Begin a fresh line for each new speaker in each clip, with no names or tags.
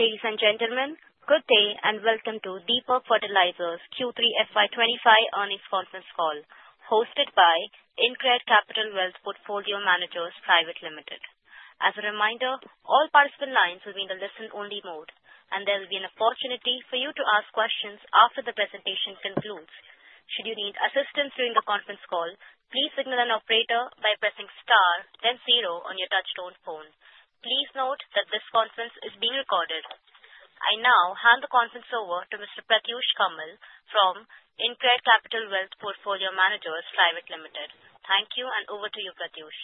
Ladies and gentlemen, good day and welcome to Deepak Fertilisers Q3 FY25 earnings conference call, hosted by InCred Capital Wealth Portfolio Managers Private Limited. As a reminder, all participant lines will be in the listen-only mode, and there will be an opportunity for you to ask questions after the presentation concludes. Should you need assistance during the conference call, please signal an operator by pressing *, then zero on your touch-tone phone. Please note that this conference is being recorded. I now hand the conference over to Mr. Pratyush Kamal from InCred Capital Wealth Portfolio Managers Private Limited. Thank you, and over to you, Pratyush.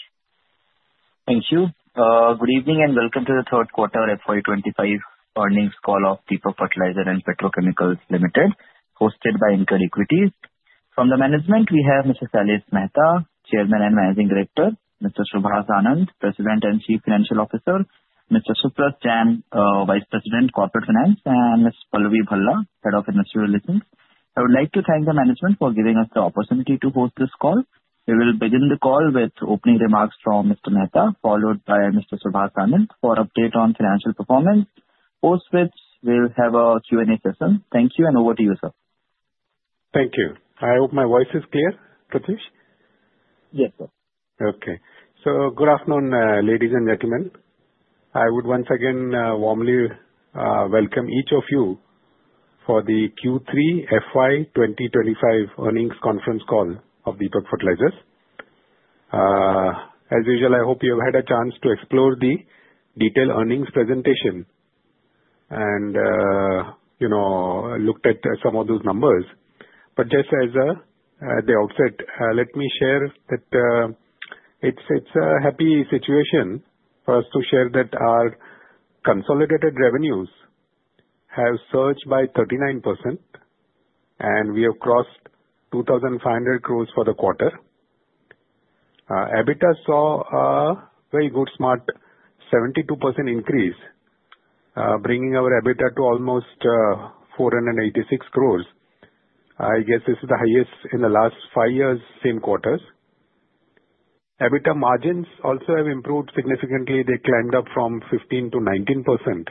Thank you. Good evening and welcome to the third quarter FY25 earnings call of Deepak Fertilisers and Petrochemicals Limited, hosted by InCred Equities. From the management, we have Mr. Sailesh Mehta, Chairman and Managing Director, Mr. Subhash Anand, President and Chief Financial Officer, Mr. Suparas Jain, Vice President, Corporate Finance, and Ms. Pallavi Bhargava, Head of Investor Relations. I would like to thank the management for giving us the opportunity to host this call. We will begin the call with opening remarks from Mr. Mehta, followed by Mr. Subhash Anand for an update on financial performance. Post this, we'll have a Q&A session. Thank you, and over to you, sir.
Thank you. I hope my voice is clear, Pratyush.
Yes, sir.
Okay. So good afternoon, ladies and gentlemen. I would once again warmly welcome each of you for the Q3 FY25 earnings conference call of Deepak Fertilisers. As usual, I hope you have had a chance to explore the detailed earnings presentation and looked at some of those numbers. But just as the outset, let me share that it's a happy situation for us to share that our consolidated revenues have surged by 39%, and we have crossed 2,500 crores for the quarter. EBITDA saw a very good, smart 72% increase, bringing our EBITDA to almost 486 crores. I guess this is the highest in the last five years, same quarters. EBITDA margins also have improved significantly. They climbed up from 15% to 19%,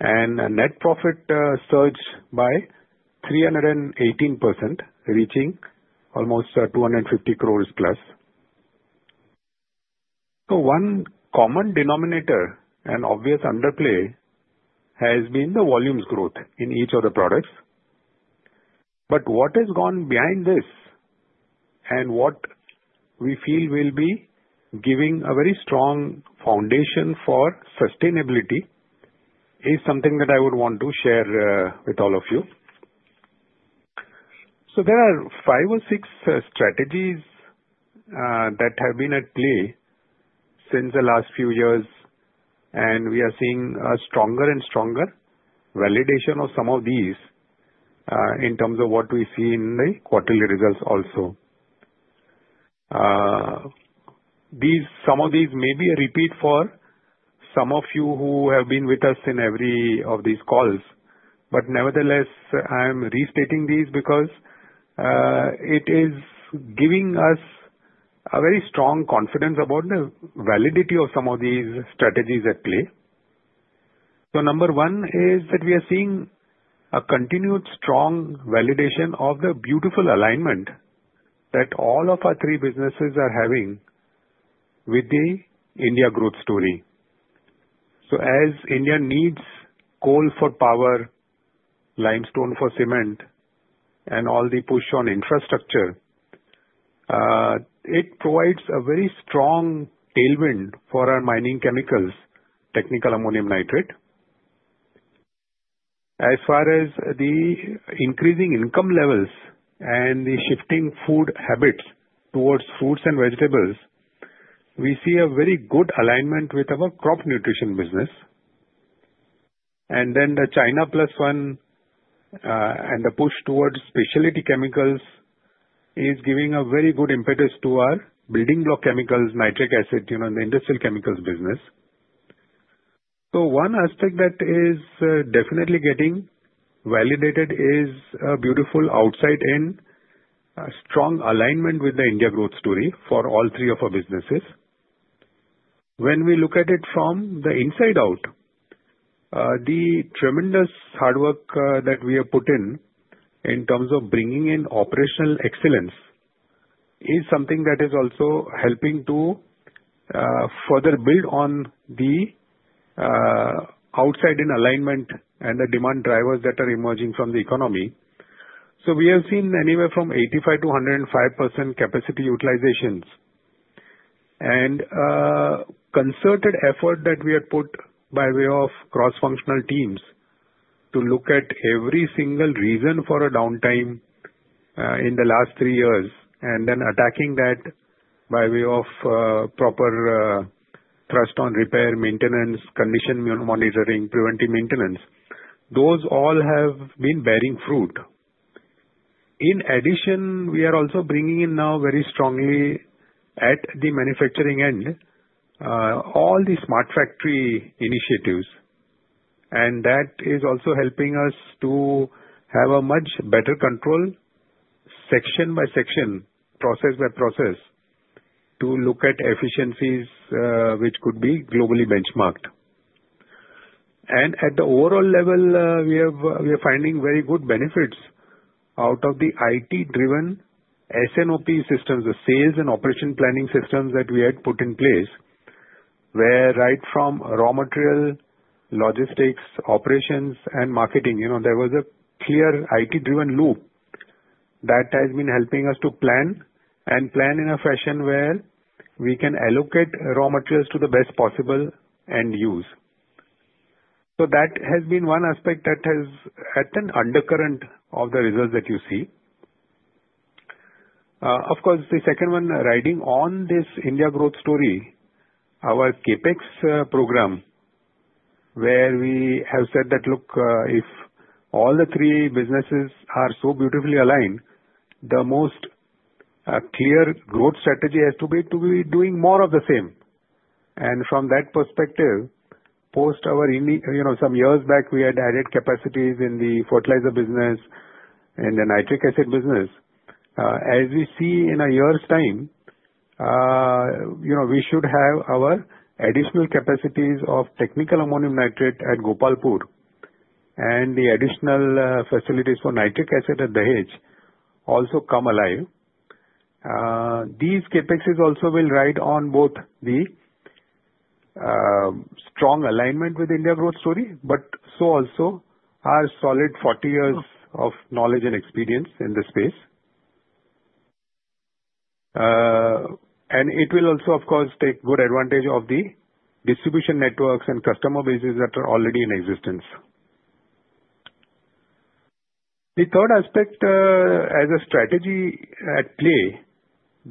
and net profit surged by 318%, reaching almost 250 crores plus. So one common denominator and obvious underplay has been the volumes growth in each of the products. But what has gone behind this and what we feel will be giving a very strong foundation for sustainability is something that I would want to share with all of you. So there are five or six strategies that have been at play since the last few years, and we are seeing a stronger and stronger validation of some of these in terms of what we see in the quarterly results also. Some of these may be a repeat for some of you who have been with us in every of these calls, but nevertheless, I'm restating these because it is giving us a very strong confidence about the validity of some of these strategies at play. So number one is that we are seeing a continued strong validation of the beautiful alignment that all of our three businesses are having with the India growth story. So as India needs coal for power, limestone for cement, and all the push on infrastructure, it provides a very strong tailwind for our mining chemicals, technical ammonium nitrate. As far as the increasing income levels and the shifting food habits towards fruits and vegetables, we see a very good alignment with our crop nutrition business. And then the China Plus One and the push towards specialty chemicals is giving a very good impetus to our building block chemicals, nitric acid, the industrial chemicals business. So one aspect that is definitely getting validated is a beautiful outside-in strong alignment with the India growth story for all three of our businesses. When we look at it from the inside out, the tremendous hard work that we have put in in terms of bringing in operational excellence is something that is also helping to further build on the outside-in alignment and the demand drivers that are emerging from the economy, so we have seen anywhere from 85%-105% capacity utilizations, and a concerted effort that we had put by way of cross-functional teams to look at every single reason for a downtime in the last three years and then attacking that by way of proper thrust on repair, maintenance, condition monitoring, preventive maintenance, those all have been bearing fruit. In addition, we are also bringing in now very strongly at the manufacturing end all the smart factory initiatives, and that is also helping us to have a much better control, section by section, process by process, to look at efficiencies which could be globally benchmarked. And at the overall level, we are finding very good benefits out of the IT-driven S&OP systems, the sales and operations planning systems that we had put in place, where right from raw material, logistics, operations, and marketing, there was a clear IT-driven loop that has been helping us to plan and plan in a fashion where we can allocate raw materials to the best possible end use. So that has been one aspect that has at an undercurrent of the results that you see. Of course, the second one riding on this India growth story, our CAPEX program, where we have said that, "Look, if all the three businesses are so beautifully aligned, the most clear growth strategy has to be doing more of the same." And from that perspective, post some years back, we had added capacities in the fertilizer business and the nitric acid business. As we see in a year's time, we should have our additional capacities of technical ammonium nitrate at Gopalpur and the additional facilities for nitric acid at Dahej also come alive. These CAPEXs also will ride on both the strong alignment with India growth story, but so also our solid 40 years of knowledge and experience in the space. And it will also, of course, take good advantage of the distribution networks and customer bases that are already in existence. The third aspect as a strategy at play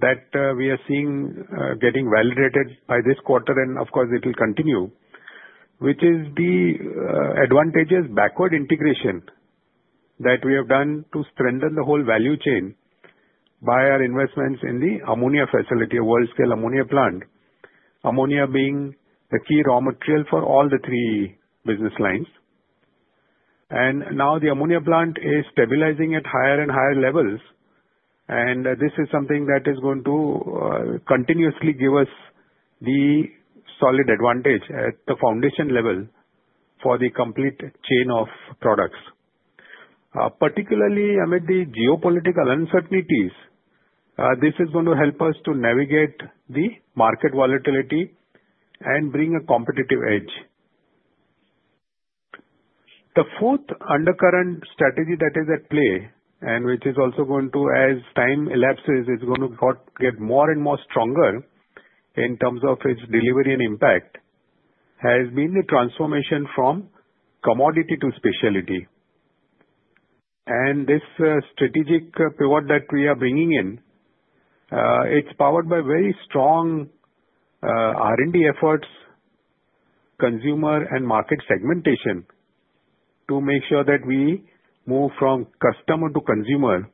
that we are seeing getting validated by this quarter, and of course, it will continue, which is the advantageous backward integration that we have done to strengthen the whole value chain by our investments in the ammonia facility, a world-scale ammonia plant, ammonia being the key raw material for all the three business lines, and now the ammonia plant is stabilizing at higher and higher levels, and this is something that is going to continuously give us the solid advantage at the foundation level for the complete chain of products. Particularly amid the geopolitical uncertainties, this is going to help us to navigate the market volatility and bring a competitive edge. The fourth undercurrent strategy that is at play and which is also going to, as time elapses, is going to get more and more stronger in terms of its delivery and impact, has been the transformation from commodity to specialty, and this strategic pivot that we are bringing in, it's powered by very strong R&D efforts, consumer and market segmentation to make sure that we move from customer to consumer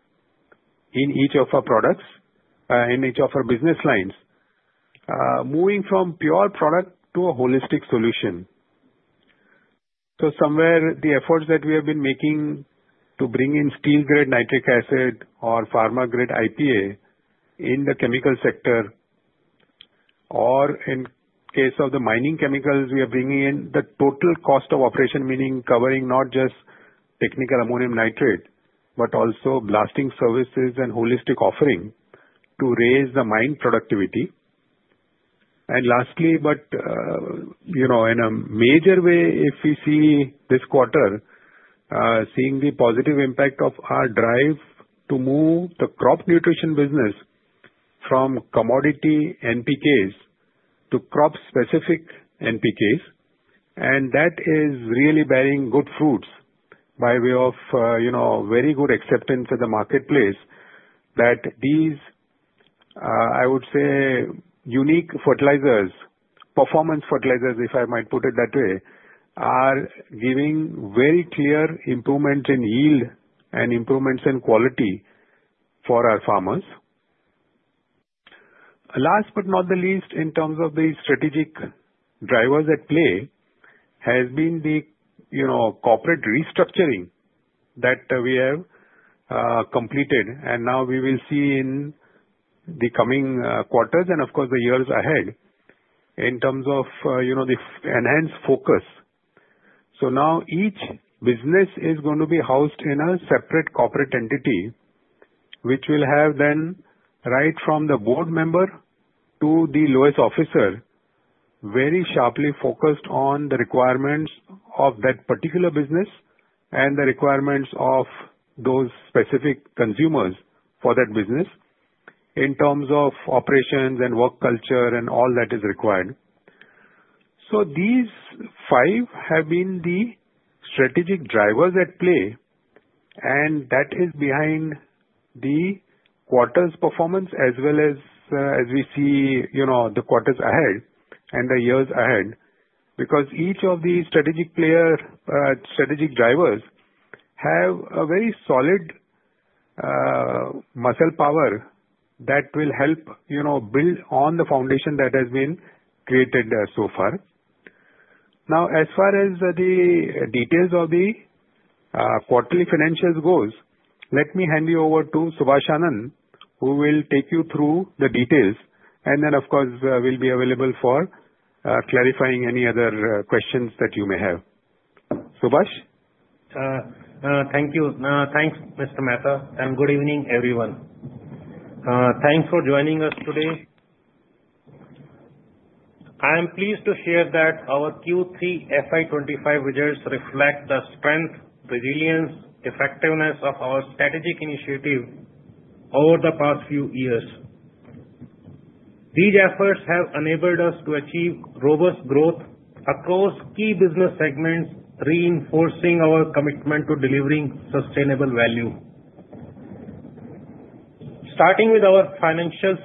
in each of our products, in each of our business lines, moving from pure product to a holistic solution, so somewhere, the efforts that we have been making to bring in steel-grade nitric acid or pharma-grade IPA in the chemical sector, or in case of the mining chemicals, we are bringing in the total cost of operation, meaning covering not just technical ammonium nitrate, but also blasting services and holistic offering to raise the mine productivity. And lastly, but in a major way, if we see this quarter, seeing the positive impact of our drive to move the crop nutrition business from commodity NPKs to crop-specific NPKs, and that is really bearing good fruits by way of very good acceptance at the marketplace that these, I would say, unique fertilizers, performance fertilizers, if I might put it that way, are giving very clear improvements in yield and improvements in quality for our farmers. Last but not the least, in terms of the strategic drivers at play, has been the corporate restructuring that we have completed, and now we will see in the coming quarters and, of course, the years ahead in terms of the enhanced focus. So now each business is going to be housed in a separate corporate entity, which will have then right from the board member to the lowest officer very sharply focused on the requirements of that particular business and the requirements of those specific consumers for that business in terms of operations and work culture and all that is required. So these five have been the strategic drivers at play, and that is behind the quarter's performance as well as we see the quarters ahead and the years ahead because each of the strategic drivers have a very solid muscle power that will help build on the foundation that has been created so far. Now, as far as the details of the quarterly financials goes, let me hand you over to Subhash Anand, who will take you through the details, and then, of course, will be available for clarifying any other questions that you may have. Subhash?
Thank you. Thanks, Mr. Mehta, and good evening, everyone. Thanks for joining us today. I am pleased to share that our Q3 FY25 results reflect the strength, resilience, effectiveness of our strategic initiative over the past few years. These efforts have enabled us to achieve robust growth across key business segments, reinforcing our commitment to delivering sustainable value. Starting with our financial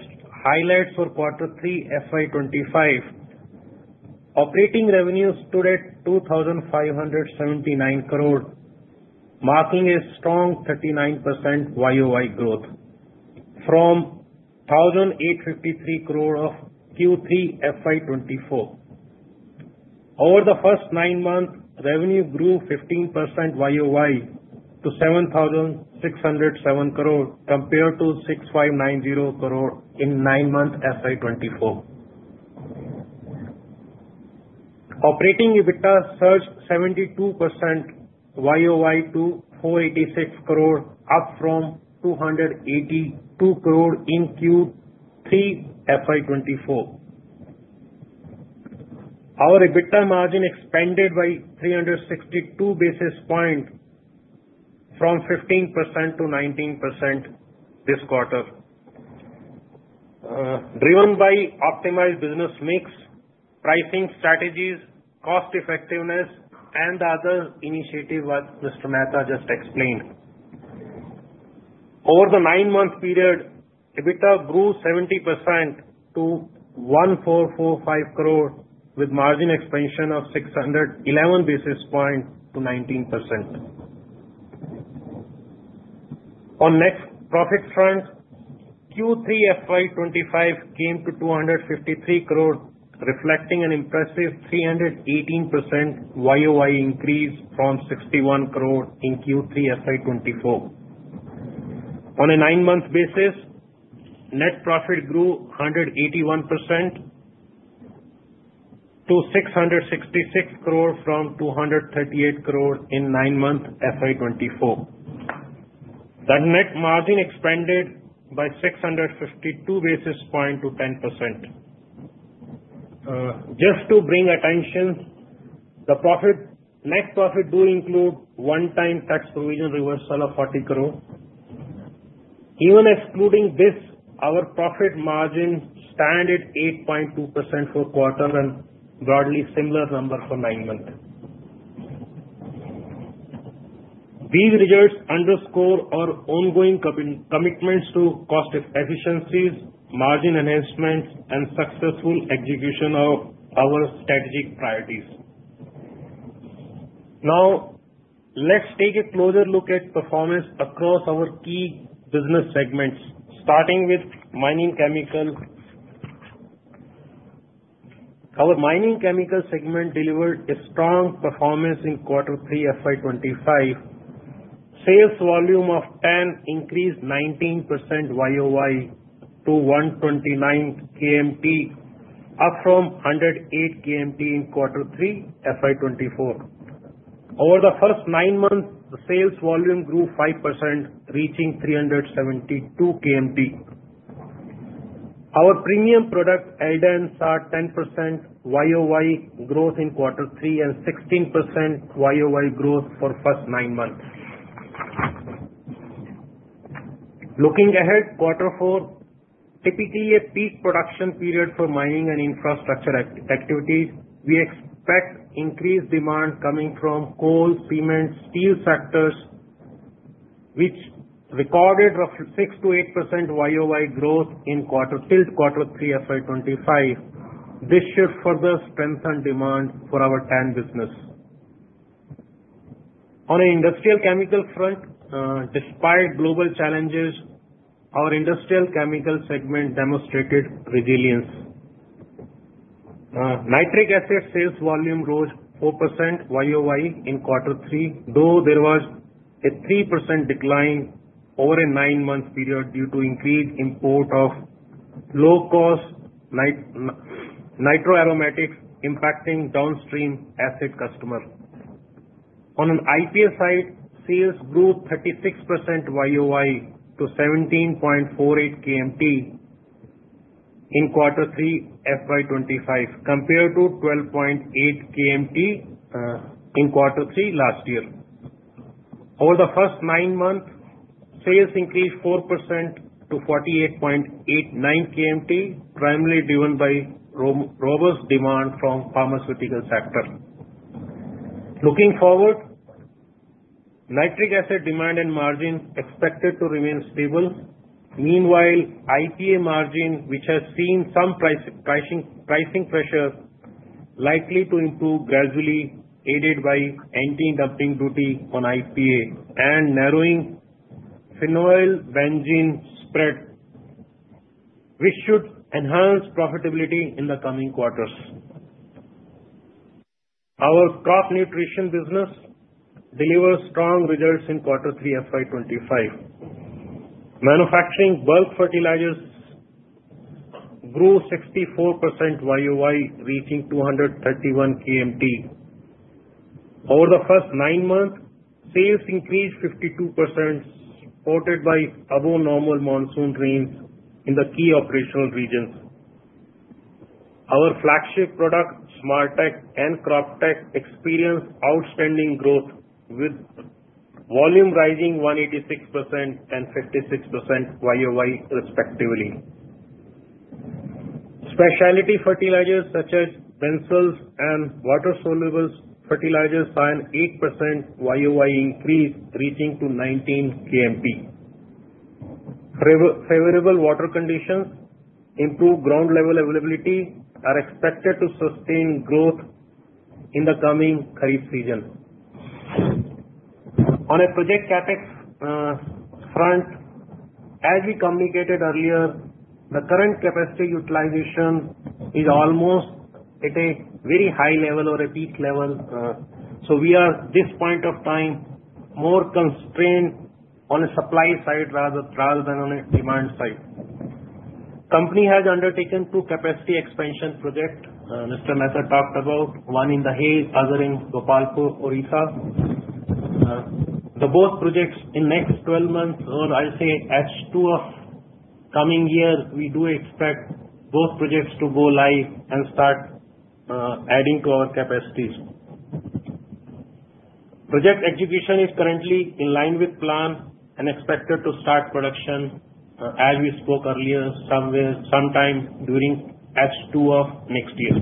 highlights for Quarter 3 FY25, operating revenues stood at 2,579 crore, marking a strong 39% YOY growth from 1,853 crore of Q3 FY24. Over the first nine months, revenue grew 15% YOY to 7,607 crore compared to 6,590 crore in nine months FY24. Operating EBITDA surged 72% YOY to 486 crore, up from 282 crore in Q3 FY24. Our EBITDA margin expanded by 362 basis points from 15% to 19% this quarter, driven by optimized business mix, pricing strategies, cost-effectiveness, and other initiatives that Mr. Mehta just explained. Over the nine-month period, EBITDA grew 70% to 1,445 crore, with margin expansion of 611 basis points to 19%. On net profit front, Q3 FY25 came to 253 crore, reflecting an impressive 318% YOY increase from 61 crore in Q3 FY24. On a nine-month basis, net profit grew 181% to 666 crore from 238 crore in nine-month FY24. That net margin expanded by 652 basis points to 10%. Just to bring attention, the net profit does include one-time tax provision reversal of 40 crore. Even excluding this, our profit margin stands at 8.2% for quarter and broadly similar number for nine months. These results underscore our ongoing commitments to cost efficiencies, margin enhancements, and successful execution of our strategic priorities. Now, let's take a closer look at performance across our key business segments, starting with mining chemicals. Our mining chemicals segment delivered a strong performance in Quarter 3 FY25. Sales volume of TAN increased 19% YOY to 129 KMT, up from 108 KMT in Quarter 3 FY24. Over the first nine months, sales volume grew 5%, reaching 372 KMT. Our premium product LDANs saw 10% YOY growth in Quarter 3 and 16% YOY growth for the first nine months. Looking ahead to Quarter 4, typically a peak production period for mining and infrastructure activities, we expect increased demand coming from coal, cement, and steel sectors, which recorded 6%-8% YOY growth in Quarter 3 FY25. This should further strengthen demand for our TAN business. On an industrial chemical front, despite global challenges, our industrial chemical segment demonstrated resilience. Nitric acid sales volume rose 4% YOY in Quarter 3, though there was a 3% decline over a nine-month period due to increased import of low-cost nitroaromatics impacting downstream acid customers. On an IPA side, sales grew 36% YOY to 17.48 KMT in Quarter 3 FY25, compared to 12.8 KMT in Quarter 3 last year. Over the first nine months, sales increased 4% to 48.89 KMT, primarily driven by robust demand from the pharmaceutical sector. Looking forward, nitric acid demand and margin expected to remain stable. Meanwhile, IPA margin, which has seen some pricing pressure, is likely to improve gradually, aided by anti-dumping duty on IPA and narrowing phenol-benzene spread, which should enhance profitability in the coming quarters. Our crop nutrition business delivered strong results in Quarter 3 FY25. Manufacturing bulk fertilizers grew 64% YOY, reaching 231 KMT. Over the first nine months, sales increased 52%, supported by above-normal monsoon rains in the key operational regions. Our flagship product, Smartek and Croptek, experienced outstanding growth, with volume rising 186% and 56% YOY, respectively. Specialty fertilizers such as Bensulf and water-soluble fertilizers saw an 8% YOY increase, reaching to 19 KMT. Favorable water conditions, improved ground-level availability, are expected to sustain growth in the coming Kharif season. On a project CAPEX front, as we communicated earlier, the current capacity utilization is almost at a very high level or a peak level. So we are, at this point of time, more constrained on the supply side rather than on the demand side. The company has undertaken two capacity expansion projects, Mr. Mehta talked about, one in Dahej, the other in Gopalpur, Odisha. The both projects in the next 12 months, or I'll say H2 of coming year, we do expect both projects to go live and start adding to our capacities. Project execution is currently in line with plan and expected to start production, as we spoke earlier, sometime during H2 of next year.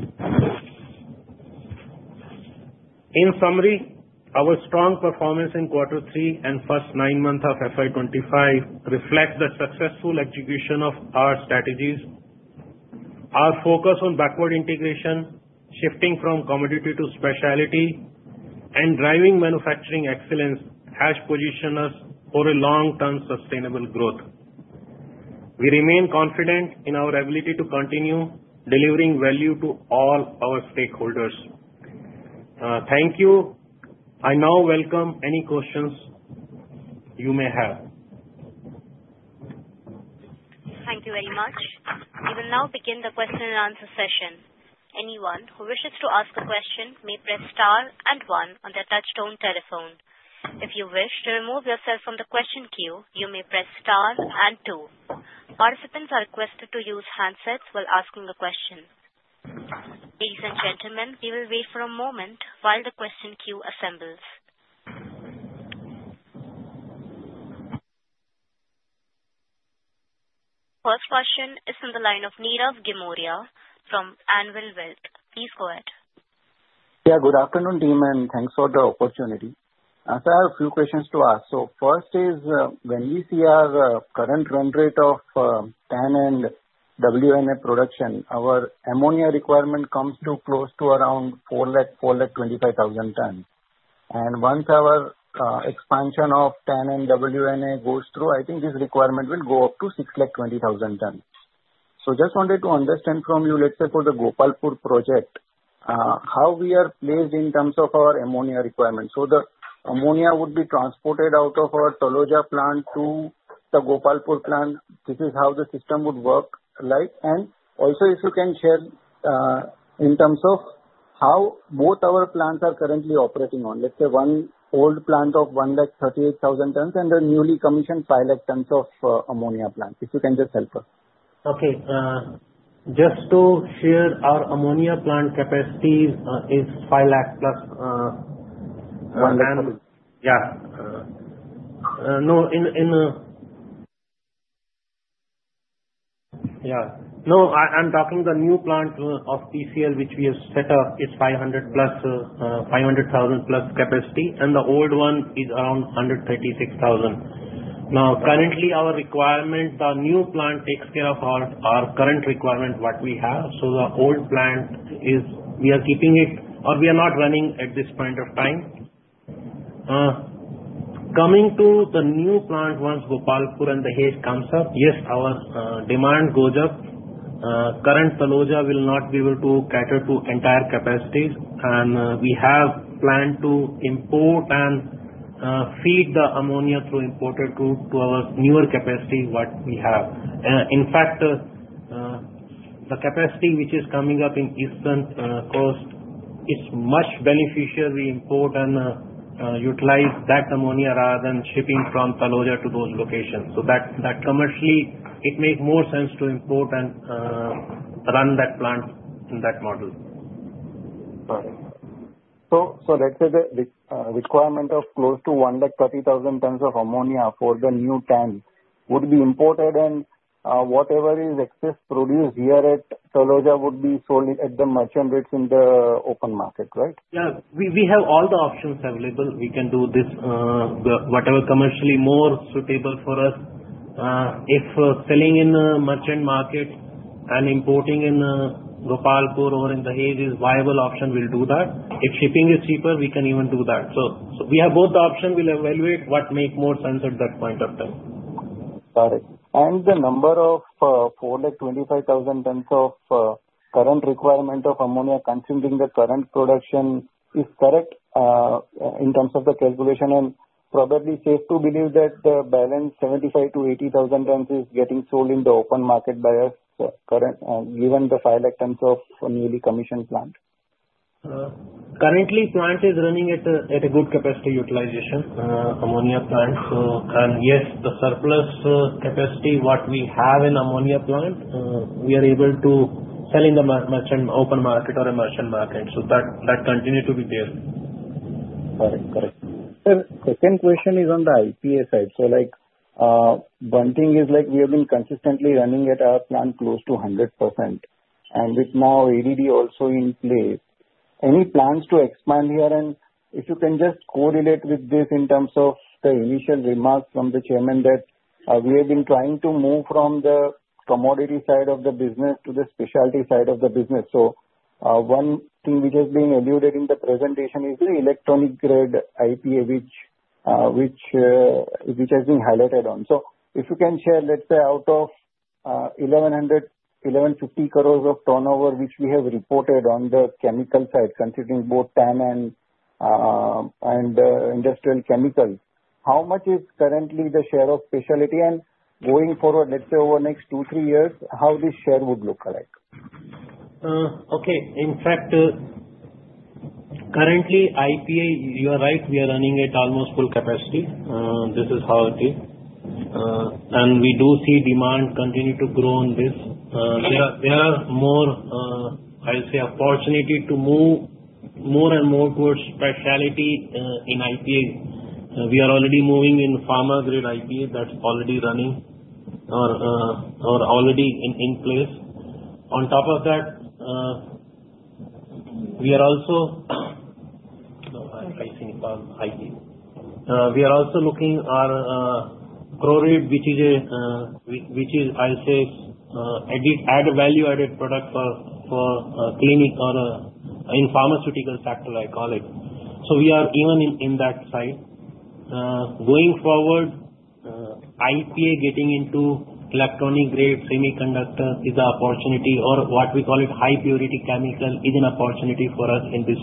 In summary, our strong performance in Quarter 3 and first nine months of FY25 reflects the successful execution of our strategies. Our focus on backward integration, shifting from commodity to specialty, and driving manufacturing excellence has positioned us for a long-term sustainable growth. We remain confident in our ability to continue delivering value to all our stakeholders. Thank you. I now welcome any questions you may have.
Thank you very much. We will now begin the question-and-answer session. Anyone who wishes to ask a question may press * and one on their touchstone telephone. If you wish to remove yourself from the question queue, you may press * and two. Participants are requested to use handsets while asking a question. Ladies and gentlemen, we will wait for a moment while the question queue assembles. First question is from the line of Nirav Jimudia from Anvil Wealth Management. Please go ahead.
Yeah, good afternoon, team, and thanks for the opportunity. So I have a few questions to ask. So first is, when we see our current run rate of TAN production, our ammonia requirement comes close to around 425,000 tons. And once our expansion of TAN goes through, I think this requirement will go up to 620,000 tons. So just wanted to understand from you, let's say for the Gopalpur project, how we are placed in terms of our ammonia requirement. So the ammonia would be transported out of our Taloja plant to the Gopalpur plant. This is how the system would work like. And also, if you can share in terms of how both our plants are currently operating on, let's say one old plant of 138,000 tons and a newly commissioned 5,000,000 tons of ammonia plant. If you can just help us.
Okay. Just to share, our ammonia plant capacity is 5,000,000 plus.
1,000,000.
I'm talking the new plant of PCL, which we have set up, is 500,000-plus capacity, and the old one is around 136,000. Now, currently, our requirement, the new plant takes care of our current requirement, what we have. So the old plant, we are keeping it, or we are not running at this point of time. Coming to the new plant, once Gopalpur and Dahej comes up, yes, our demand goes up. Current Taloja will not be able to cater to entire capacities, and we have planned to import and feed the ammonia through imported route to our newer capacity what we have. In fact, the capacity which is coming up in Eastern Coast is much beneficial. We import and utilize that ammonia rather than shipping from Taloja to those locations. Commercially, it makes more sense to import and run that plant in that model.
Got it. So let's say the requirement of close to 130,000 tons of ammonia for the new TAN would be imported, and whatever excess produced here at Taloja would be sold at the merchant rates in the open market, right?
Yeah. We have all the options available. We can do this, whatever commercially more suitable for us. If selling in the merchant market and importing in Gopalpur or in Dahej is a viable option, we'll do that. If shipping is cheaper, we can even do that. So we have both options. We'll evaluate what makes more sense at that point of time.
Got it and the number of 425,000 tons of current requirement of ammonia consumed in the current production is correct in terms of the calculation, and probably safe to believe that the balance 75,000 to 80,000 tons is getting sold in the open market by us currently, given the 5,000,000 tons of newly commissioned plant?
Currently, the plant is running at a good capacity utilization, ammonia plant, and yes, the surplus capacity what we have in ammonia plant, we are able to sell in the merchant open market or a merchant market, so that continues to be there.
Got it. Got it. Then the second question is on the IPA side. So one thing is we have been consistently running at our plant close to 100%, and with now ADD also in place, any plans to expand here? And if you can just correlate with this in terms of the initial remarks from the chairman that we have been trying to move from the commodity side of the business to the specialty side of the business. So one thing which has been alluded to in the presentation is the electronic-grade IPA, which has been highlighted on. So if you can share, let's say, out of 1,150 crores of turnover which we have reported on the chemical side, considering both IPA and industrial chemicals, how much is currently the share of specialty? And going forward, let's say over the next two, three years, how this share would look like?
Okay. In fact, currently, IPA, you are right, we are running at almost full capacity. This is how it is. And we do see demand continue to grow on this. There are more, I'll say, opportunities to move more and more towards specialty in IPA. We are already moving in pharma-grade IPA that's already running or already in place. On top of that, we are also looking at our growth rate, which is, I'll say, a value-added product for clinical or in the pharmaceutical sector, I call it. So we are even in that side. Going forward, IPA getting into electronic-grade IPA is an opportunity, or what we call it high-purity chemical is an opportunity for us in this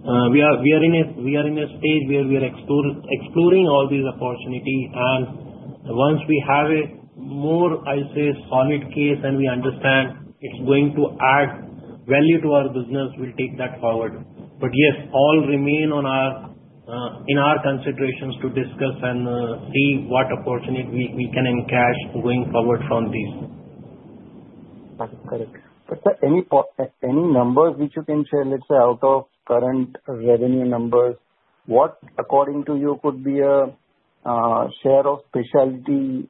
space. We are in a stage where we are exploring all these opportunities. Once we have a more, I'll say, solid case and we understand it's going to add value to our business, we'll take that forward. Yes, all remain in our considerations to discuss and see what opportunity we can encash going forward from this.
Got it. Got it. But any numbers which you can share, let's say, out of current revenue numbers, what, according to you, could be a share of specialty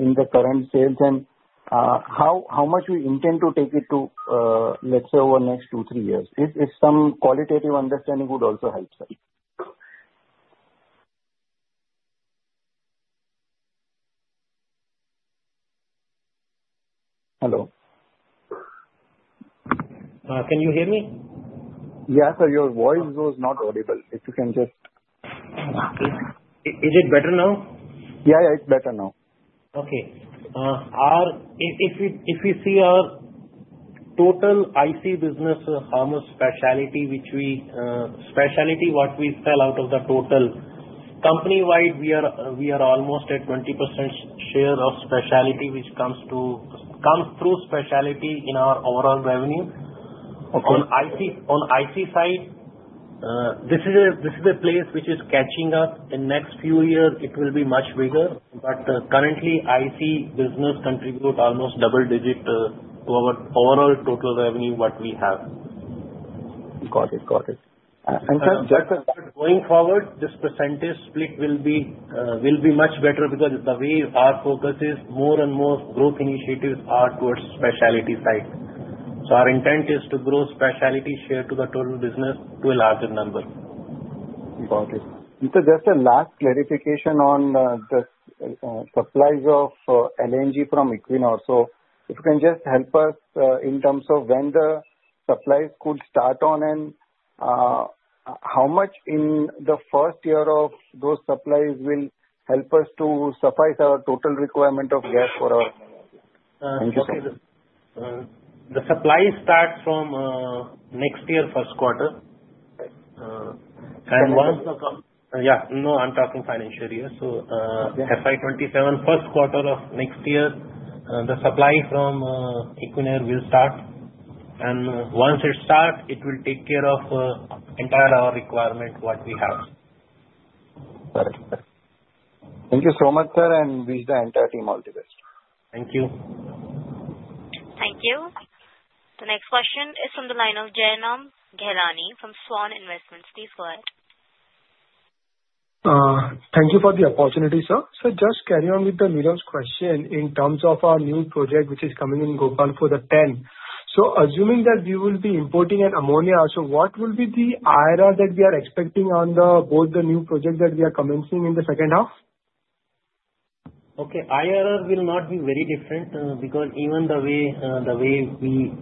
in the current sales? And how much we intend to take it to, let's say, over the next two, three years? If some qualitative understanding would also help us. Hello?
Can you hear me?
Yes, sir. Your voice was not audible. If you can just-
Is it better now?
Yeah, yeah. It's better now.
Okay. If we see our total IC business, how much specialty, which specialty what we sell out of the total? Company-wide, we are almost at 20% share of specialty, which comes through specialty in our overall revenue. On IC side, this is a place which is catching up. In the next few years, it will be much bigger. But currently, IC business contributes almost double-digit to our overall total revenue what we have.
Got it. Got it. And sir.
Going forward, this percentage split will be much better because the way our focus is more and more growth initiatives are towards specialty side. So our intent is to grow specialty share to the total business to a larger number.
Got it. So just a last clarification on the supplies of LNG from Equinor. So if you can just help us in terms of when the supplies could start on and how much in the first year of those supplies will help us to suffice our total requirement of gas for our—
Okay. The supply starts from next year, first quarter. And once the. No, I'm talking financial year. So FY27, first quarter of next year, the supply from Equinor will start. And once it starts, it will take care of entire our requirement what we have.
Got it. Thank you so much, sir, and wish the entire team all the best.
Thank you.
Thank you. The next question is from the line of Jainam Ghelani from Svan Investments. Please go ahead.
Thank you for the opportunity, sir. So just carry on with Nirav's question in terms of our new project which is coming in Gopalpur for the TAN. So assuming that we will be importing ammonia, so what will be the IRR that we are expecting on both the new project that we are commencing in the second half?
Okay. IRR will not be very different because even the way we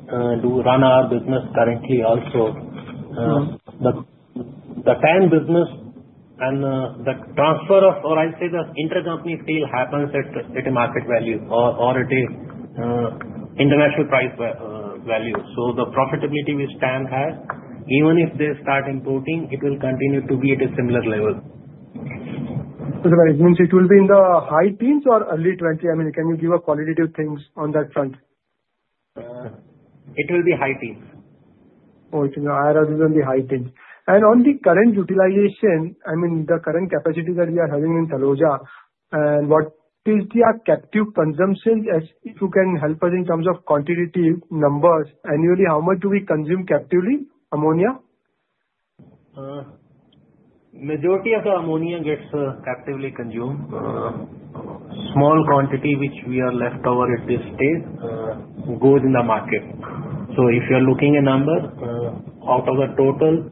do run our business currently also, the TAN business and the transfer of, or I'll say the intercompany deal happens at a market value or at an international price value. So the profitability which TAN has, even if they start importing, it will continue to be at a similar level.
So it means it will be in the high teens or early 20? I mean, can you give a qualitative thing on that front?
It will be high teens.
Oh, I think the IRR will be high teens. And on the current utilization, I mean, the current capacity that we are having in Taloja, and what is the captive consumption? If you can help us in terms of quantitative numbers, annually, how much do we consume captively, ammonia?
Majority of the ammonia gets captively consumed. Small quantity which we are left over at this stage goes in the market. So if you're looking at number, out of the total,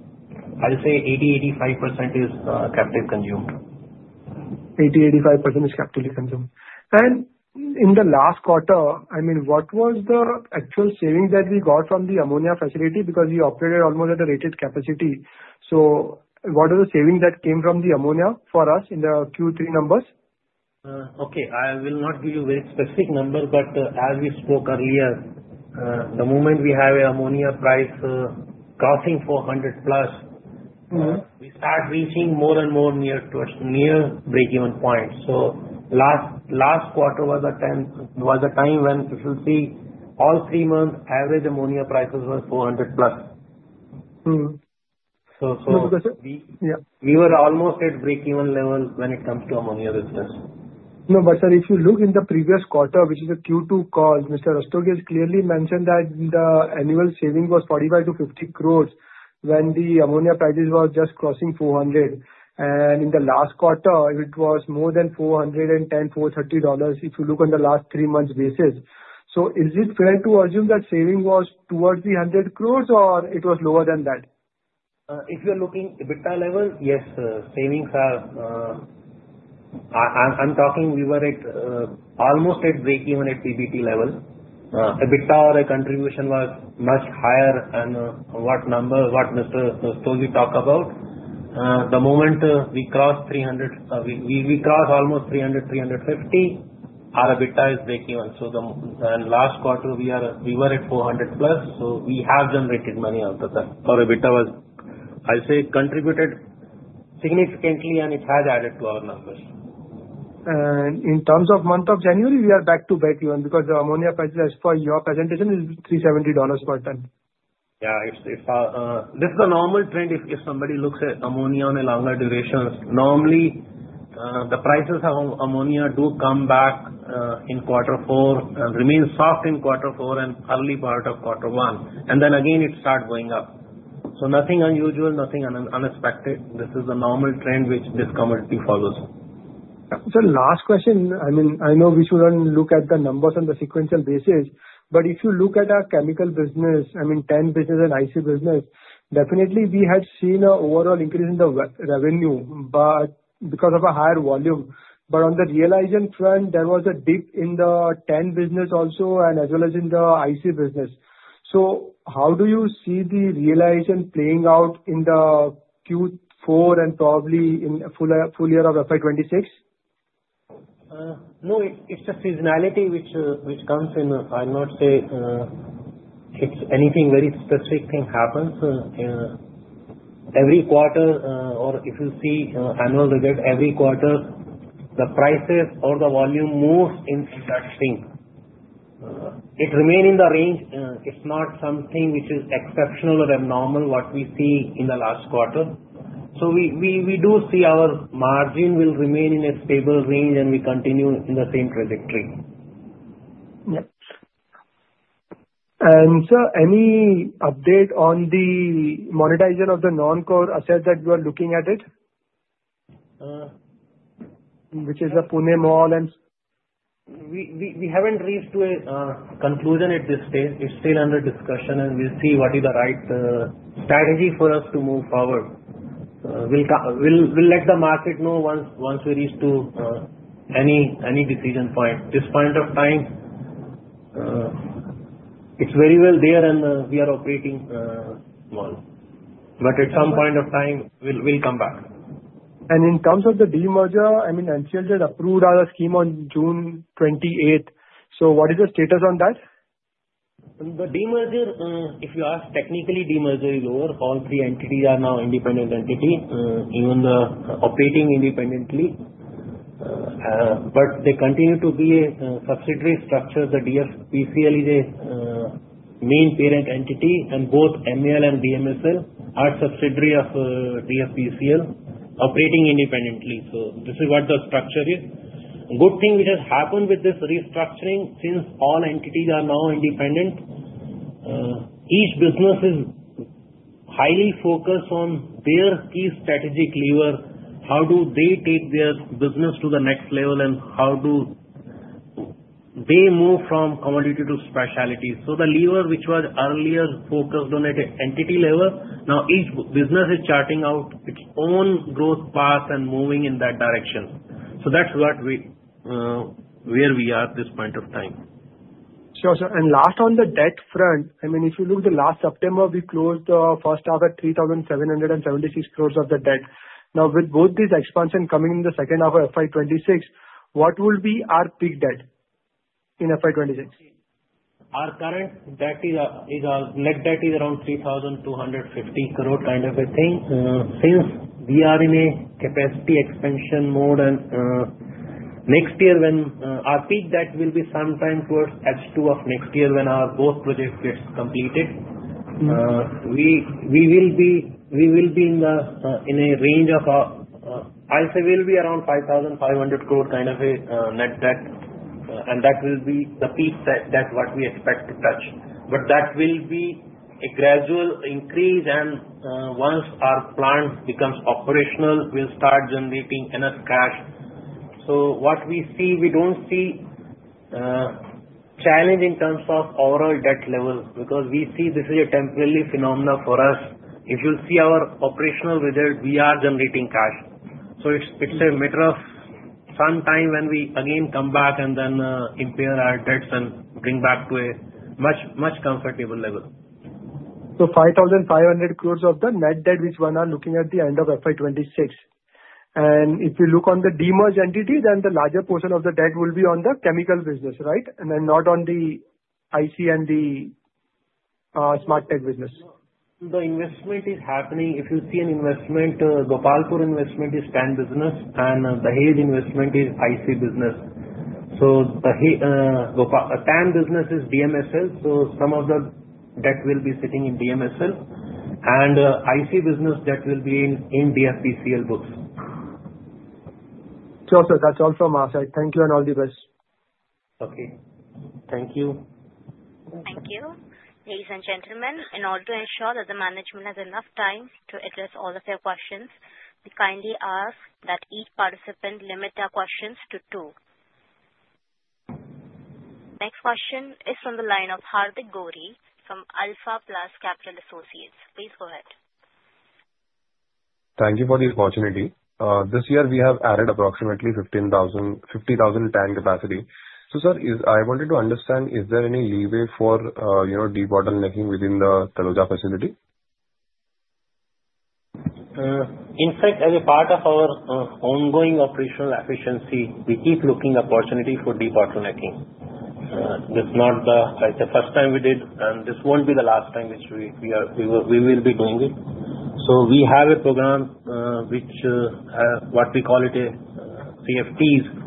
I'll say 80%-85% is captive consumed.
80%-85% is captively consumed. And in the last quarter, I mean, what was the actual saving that we got from the ammonia facility? Because we operated almost at a rated capacity. So what was the saving that came from the ammonia for us in the Q3 numbers?
Okay. I will not give you very specific numbers, but as we spoke earlier, the moment we have ammonia price crossing 400 plus, we start reaching more and more near break-even point. So last quarter was a time when you will see all three months' average ammonia prices were 400 plus. So we were almost at break-even level when it comes to ammonia business.
No, but sir, if you look in the previous quarter, which is a Q2 call, Mr. Rastogi clearly mentioned that the annual saving was 45-50 crore when the ammonia prices were just crossing $400. And in the last quarter, it was more than $410-$430 if you look on the last three months' basis. So is it fair to assume that saving was towards the 100 crore or it was lower than that?
If you're looking EBITDA level, yes, savings are. I'm talking we were almost at break-even at PBT level. EBITDA or a contribution was much higher than what Mr. Rastogi talked about. The moment we crossed 300, we crossed almost 300, 350, our EBITDA is break-even. So in the last quarter, we were at 400 plus. So we have generated money out of that. Our EBITDA was, I'll say, contributed significantly, and it has added to our numbers.
In terms of month of January, we are back to break-even because the ammonia price as per your presentation is $370 per ton.
Yeah. This is the normal trend if somebody looks at ammonia on a longer duration. Normally, the prices of ammonia do come back in quarter four and remain soft in quarter four and early part of quarter one, and then again, it starts going up. So nothing unusual, nothing unexpected. This is the normal trend which this commodity follows.
Last question. I mean, I know we shouldn't look at the numbers on the sequential basis, but if you look at our chemical business, I mean, IPA business and IC business, definitely we had seen an overall increase in the revenue because of a higher volume. But on the realization front, there was a dip in the IPA business also and as well as in the IC business. So how do you see the realization playing out in the Q4 and probably in the full year of FY26?
No, it's a seasonality which comes in. I'll not say it's anything very specific thing happens. Every quarter, or if you see annual average, every quarter, the prices or the volume moves in that thing. It remained in the range. It's not something which is exceptional or abnormal to what we see in the last quarter. So we do see our margin will remain in a stable range and we continue in the same trajectory.
Yes. And sir, any update on the monetization of the non-core assets that you are looking at it, which is the Pune Mall and?
We haven't reached a conclusion at this stage. It's still under discussion, and we'll see what is the right strategy for us to move forward. We'll let the market know once we reach to any decision point. This point of time, it's very well there and we are operating well. But at some point of time, we'll come back.
In terms of the demerger, I mean, NCLT approved our scheme on June 28th. What is the status on that?
The demerger, if you ask technically, demerger is over. All three entities are now independent entities, even operating independently. But they continue to be a subsidiary structure. The DFPCL is a main parent entity, and both MAL and DMSL are subsidiaries of DFPCL, operating independently. So this is what the structure is. Good thing which has happened with this restructuring since all entities are now independent. Each business is highly focused on their key strategic lever, how do they take their business to the next level and how do they move from commodity to specialty. So the lever which was earlier focused on an entity level, now each business is charting out its own growth path and moving in that direction. So that's where we are at this point of time.
Sure. Sure. And last on the debt front, I mean, if you look at the last September, we closed the first half at 3,776 crores of the debt. Now, with both these expansions coming in the second half of FY26, what will be our peak debt in FY26?
Our current debt is our net debt is around 3,250 crore kind of a thing since we are in a capacity expansion mode, and next year, when our peak debt will be sometime towards Q2 of next year when our growth project gets completed, we will be in a range of. I'll say we'll be around 5,500 crore kind of a net debt. That will be the peak debt what we expect to touch, but that will be a gradual increase. Once our plant becomes operational, we'll start generating enough cash. What we see, we don't see challenge in terms of overall debt level because we see this is a temporary phenomenon for us. If you see our operational result, we are generating cash. So it's a matter of some time when we again come back and then impair our debts and bring back to a much comfortable level.
5,500 crore of the net debt which we are looking at the end of FY26. And if you look on the demerged entity, then the larger portion of the debt will be on the chemical business, right? And then not on the IC and the smart tech business.
The investment is happening. If you see an investment, Gopalpur investment is TAN business, and Dahej investment is IC business. So TAN business is DMSL. So some of the debt will be sitting in DMSL, and IC business debt will be in DFPCL books.
Sure. Sure. That's all from us. Thank you and all the best.
Okay. Thank you.
Thank you. Ladies and gentlemen, in order to ensure that the management has enough time to address all of their questions, we kindly ask that each participant limit their questions to two. Next question is from the line of Hardik Koli from Alpha Plus Capital. Please go ahead.
Thank you for the opportunity. This year, we have added approximately 50,000 TAN capacity. So sir, I wanted to understand, is there any leeway for debottlenecking within the Taloja facility?
In fact, as a part of our ongoing operational efficiency, we keep looking for opportunities for debottlenecking. This is not the first time we did, and this won't be the last time which we will be doing it, so we have a program which we call it CFTs,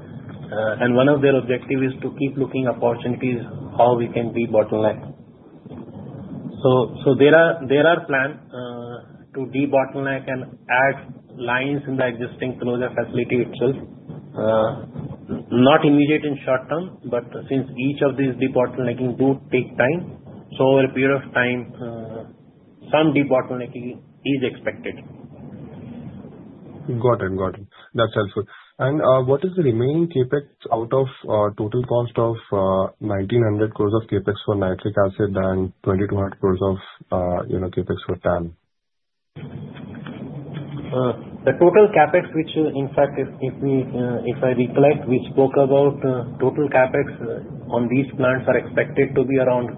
and one of their objectives is to keep looking for opportunities how we can debottleneck, so there are plans to debottleneck and add lines in the existing Taloja facility itself. Not immediate in short term, but since each of these debottlenecking do take time, so over a period of time, some debottlenecking is expected.
Got it. Got it. That's helpful. And what is the remaining CAPEX out of total cost of 1,900 crores of CAPEX for nitric acid and 2,200 crores of CAPEX for TAN?
The total CAPEX, which in fact, if I recollect, we spoke about total CAPEX on these plants are expected to be around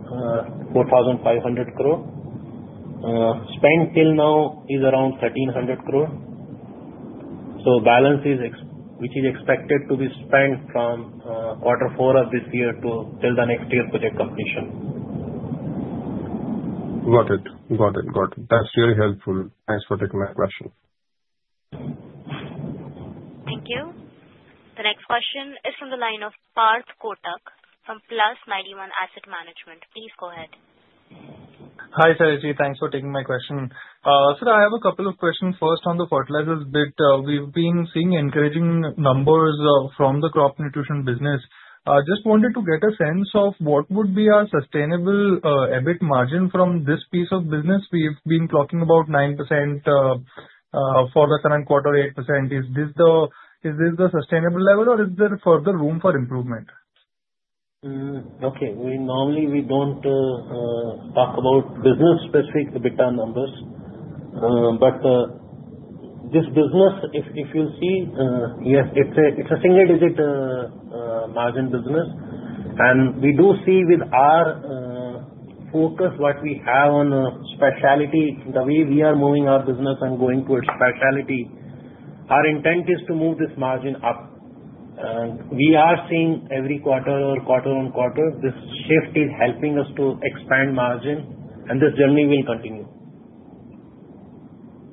4,500 crore. Spent till now is around 1,300 crore. The balance which is expected to be spent from quarter four of this year till the next year's project completion.
Got it. Got it. Got it. That's really helpful. Thanks for taking my question.
Thank you. The next question is from the line of Parth Kotak from Plus91 Asset Management. Please go ahead.
Hi Sailesh. Thanks for taking my question. Sir, I have a couple of questions. First, on the fertilizer bit, we've been seeing encouraging numbers from the crop nutrition business. Just wanted to get a sense of what would be our sustainable EBIT margin from this piece of business. We've been talking about 9% for the current quarter, 8%. Is this the sustainable level, or is there further room for improvement?
Okay. Normally, we don't talk about business-specific EBITDA numbers. But this business, if you'll see, yes, it's a single-digit margin business. And we do see with our focus what we have on specialty, the way we are moving our business and going towards specialty, our intent is to move this margin up. And we are seeing every quarter or quarter on quarter, this shift is helping us to expand margin, and this journey will continue.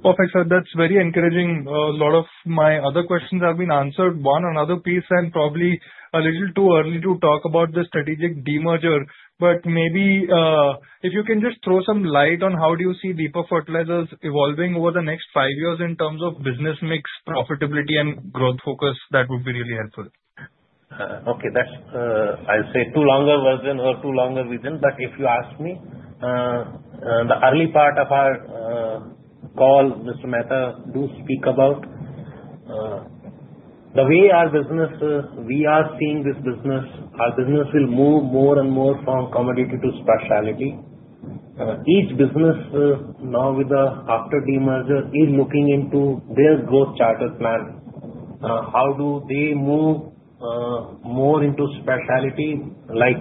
Perfect. Sir, that's very encouraging. A lot of my other questions have been answered. One another piece and probably a little too early to talk about the strategic demerger. But maybe if you can just throw some light on how do you see Deepak Fertilisers evolving over the next five years in terms of business mix, profitability, and growth focus, that would be really helpful?
Okay. That's, I'll say, too long a version or too long a reason. But if you ask me, in the early part of our call, Mr. Mehta did speak about the way our business, we are seeing this business, our business will move more and more from commodity to specialty. Each business now, after the demerger, is looking into their growth charter plan. How do they move more into specialty? Like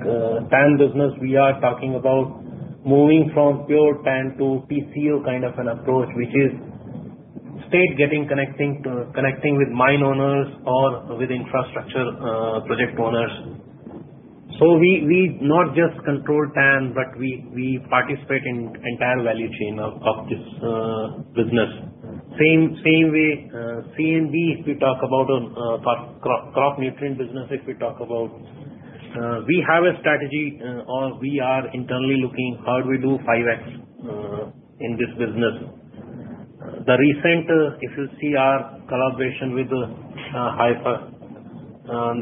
tan business, we are talking about moving from pure tan to TCO kind of an approach, which is starting to connect with mine owners or with infrastructure project owners. So we not just control tan, but we participate in the entire value chain of this business. Same way, CNB, if we talk about crop nutrient business, if we talk about, we have a strategy or we are internally looking how do we do 5X in this business. The recent, if you see our collaboration with Haifa,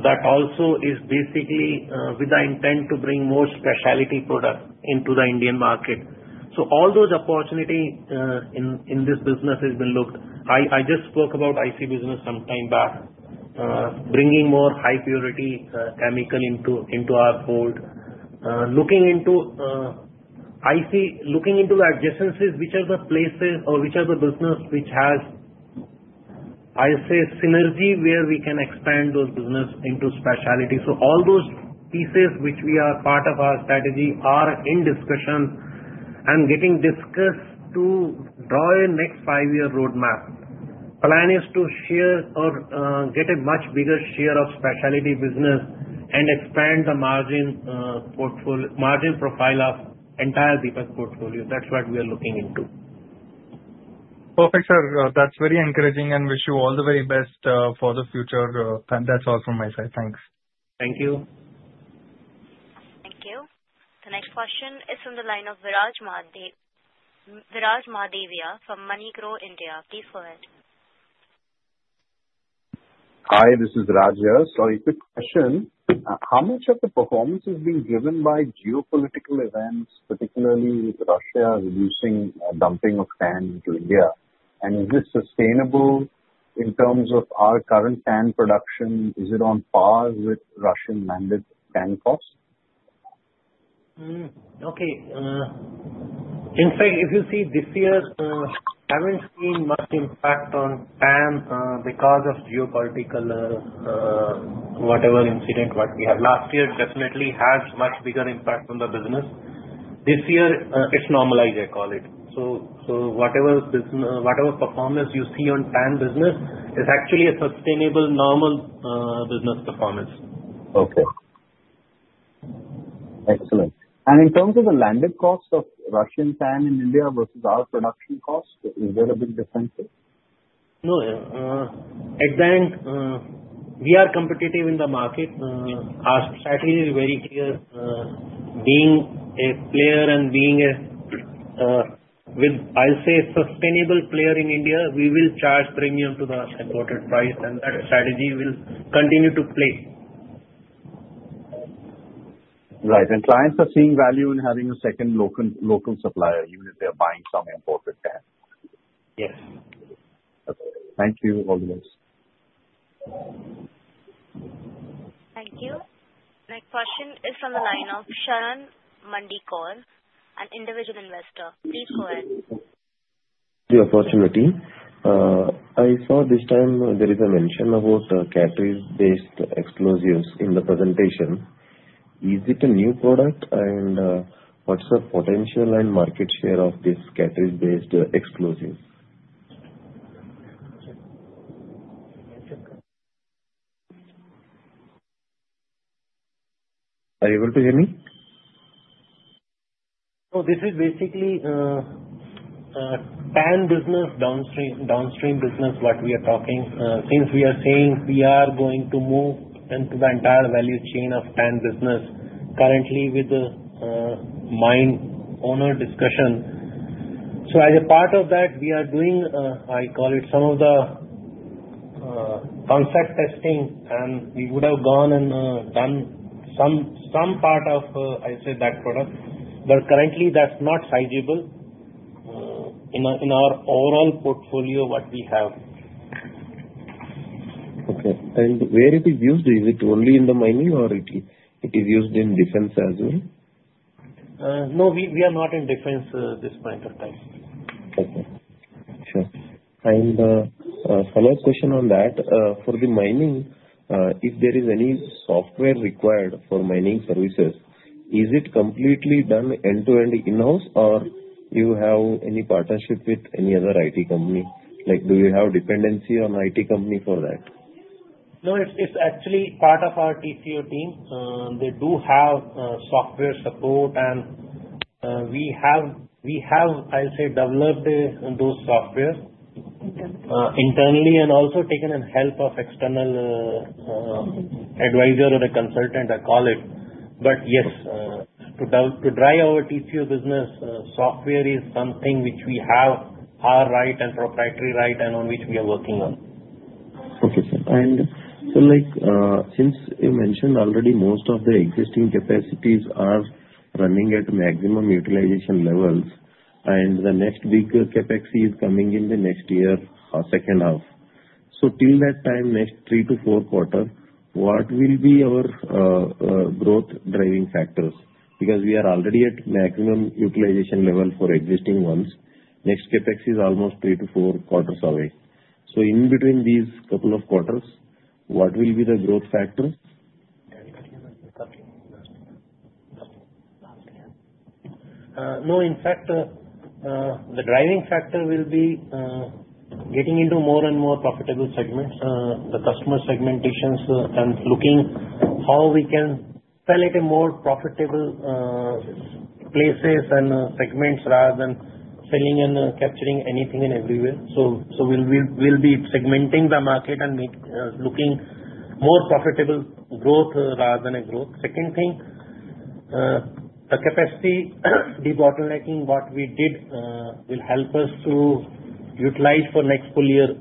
that also is basically with the intent to bring more specialty products into the Indian market. So all those opportunities in this business have been looked. I just spoke about IC business some time back, bringing more high-purity chemical into our fold. Looking into IC, looking into the adjacencies, which are the places or which are the business which has, I'll say, synergy where we can expand those business into specialty. So all those pieces which we are part of our strategy are in discussion and getting discussed to draw a next five-year roadmap. Plan is to share or get a much bigger share of specialty business and expand the margin profile of entire Deepak portfolio. That's what we are looking into.
Perfect, sir. That's very encouraging and wish you all the very best for the future. And that's all from my side. Thanks.
Thank you.
Thank you. The next question is from the line of Viraj Mahadevia from MoneyGrow India. Please go ahead.
Hi, this is Rajesh. Sorry, quick question. How much of the performance is being driven by geopolitical events, particularly with Russia reducing dumping of TAN into India? And is this sustainable in terms of our current TAN production? Is it on par with Russian mandate TAN costs?
Okay. In fact, if you see this year, I haven't seen much impact on tan because of geopolitical whatever incident what we had last year definitely has much bigger impact on the business. This year, it's normalized, I call it, so whatever performance you see on tan business is actually a sustainable normal business performance.
Okay. Excellent. And in terms of the landed cost of Russian TAN in India versus our production cost, is there a big difference?
No. We are competitive in the market. Our strategy is very clear. Being a player and being a, I'll say, sustainable player in India, we will charge premium to the imported price, and that strategy will continue to play.
Right, and clients are seeing value in having a second local supplier even if they are buying some imported TAN.
Yes.
Okay. Thank you for all the notes.
Thank you. Next question is from the line of Sharan Mandikar, an individual investor. Please go ahead.
Dear Fortune team, I saw this time there is a mention about the cartridge-based explosives in the presentation. Is it a new product? And what's the potential and market share of this cartridge-based explosives? Are you able to hear me?
So this is basically TAN business, downstream business what we are talking. Since we are saying we are going to move into the entire value chain of TAN business currently with the mine owner discussion. So as a part of that, we are doing, I call it, some of the concept testing, and we would have gone and done some part of, I'll say, that product. But currently, that's not sizable in our overall portfolio what we have.
Okay. And where it is used? Is it only in the mining, or it is used in defense as well?
No, we are not in defense at this point of time.
Okay. Sure. And follow-up question on that. For the mining, if there is any software required for mining services, is it completely done end-to-end in-house, or do you have any partnership with any other IT company? Do you have dependency on IT company for that?
No, it's actually part of our TCO team. They do have software support, and we have, I'll say, developed those software internally and also taken help of external advisor or a consultant, I call it. But yes, to drive our TCO business, software is something which we have our right and proprietary right and on which we are working on.
Okay. And so since you mentioned already most of the existing capacities are running at maximum utilization levels, and the next bigger CAPEX is coming in the next year or second half. So till that time, next three to four quarters, what will be our growth driving factors? Because we are already at maximum utilization level for existing ones. Next CAPEX is almost three to four quarters away. So in between these couple of quarters, what will be the growth factors?
No, in fact, the driving factor will be getting into more and more profitable segments, the customer segmentations, and looking how we can sell it in more profitable places and segments rather than selling and capturing anything and everywhere. So we'll be segmenting the market and looking more profitable growth rather than a growth. Second thing, the capacity debottlenecking what we did will help us to utilize for next full year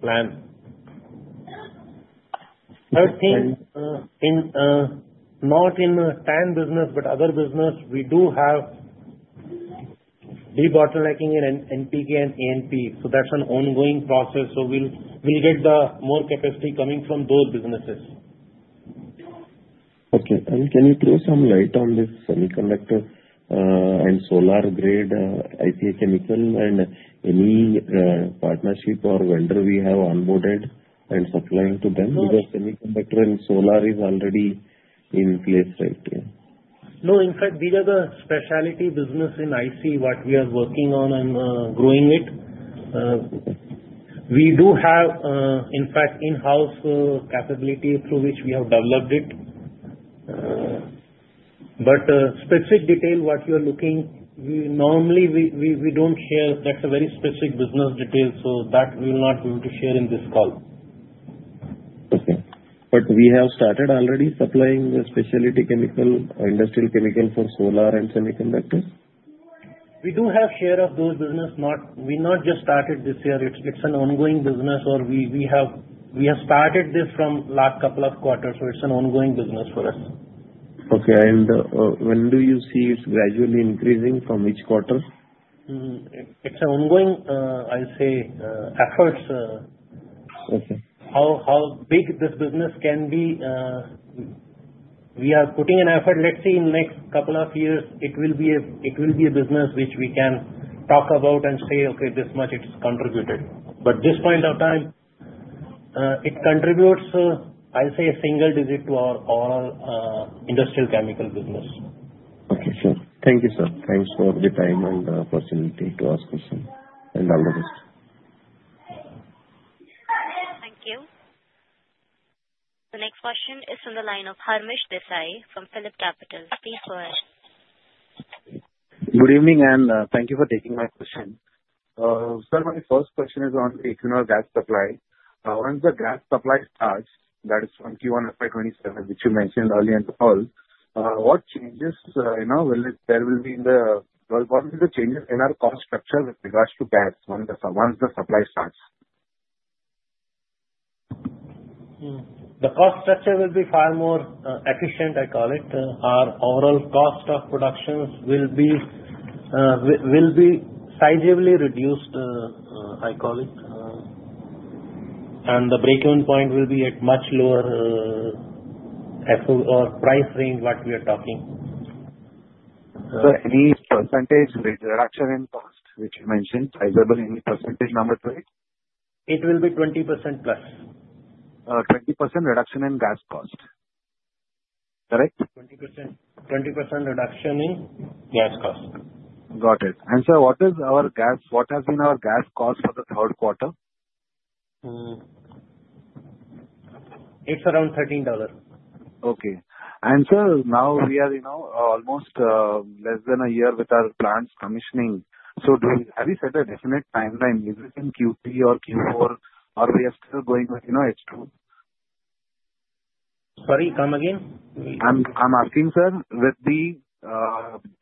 plan. Third thing, not in TAN business, but other business, we do have debottlenecking in NPK and ANP. So that's an ongoing process. So we'll get more capacity coming from those businesses.
Okay. And can you throw some light on this semiconductor and solar-grade chemicals and any partnership or vendor we have onboarded and supplying to them? Because semiconductor and solar is already in place right here.
No, in fact, these are the specialty business in IC what we are working on and growing it. We do have, in fact, in-house capability through which we have developed it. But specific detail what you are looking, normally we don't share. That's a very specific business detail. So that we will not be able to share in this call.
Okay. But we have started already supplying the specialty chemical or industrial chemical for solar and semiconductors?
We do have share of those business. We not just started this year. It's an ongoing business, or we have started this from last couple of quarters. So it's an ongoing business for us.
Okay. And when do you see it's gradually increasing from which quarter?
It's an ongoing, I'll say, effort. How big this business can be, we are putting an effort. Let's see in next couple of years, it will be a business which we can talk about and say, "Okay, this much it's contributed." But this point of time, it contributes, I'll say, a single digit to our all industrial chemical business.
Okay. Sure. Thank you, sir. Thanks for the time and opportunity to ask question. And all the best.
Thank you. The next question is from the line of Harmish Desai from PhillipCapital. Please go ahead.
Good evening, and thank you for taking my question. Sir, my first question is on external gas supply. Once the gas supply starts, that is from Q1 FY27, which you mentioned earlier in the call, what changes will there be in the world? What will be the changes in our cost structure with regards to gas once the supply starts?
The cost structure will be far more efficient, I call it. Our overall cost of production will be sizably reduced, I call it. And the break-even point will be at much lower price range what we are talking.
So, any percentage reduction in cost, which you mentioned, sizable any percentage number to it?
It will be 20% plus.
20% reduction in gas cost. Correct?
20% reduction in gas cost.
Got it. And sir, what has been our gas cost for the third quarter?
It's around $13.
Okay. And sir, now we are almost less than a year with our plants commissioning. So have you set a definite timeline? Is it in Q3 or Q4, or we are still going with H2?
Sorry, come again?
I'm asking, sir, with the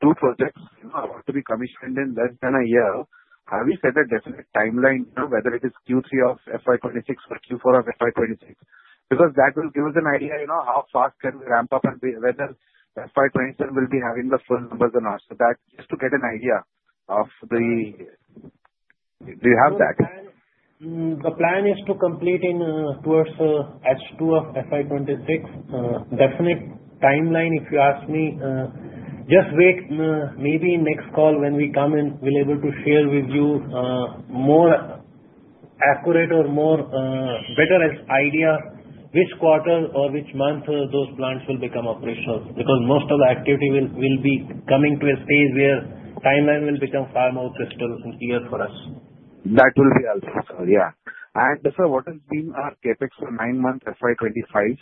two projects what to be commissioned in less than a year, have you set a definite timeline, whether it is Q3 of FY26 or Q4 of FY26? Because that will give us an idea how fast can we ramp up and whether FY27 will be having the full numbers or not. So that is to get an idea of that. Do you have that?
The plan is to complete in towards H2 of FY26. Definite timeline, if you ask me, just wait. Maybe next call when we come in, we'll be able to share with you more accurate or better idea which quarter or which month those plants will become operational. Because most of the activity will be coming to a stage where timeline will become far more crystal clear for us.
That will be helpful, sir. Yeah, and sir, what has been our CAPEX for nine months FY25?